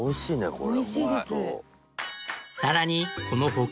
これ！